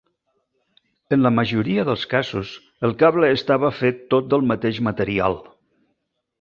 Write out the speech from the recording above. En la majoria dels casos, el cable estava fet tot del mateix material.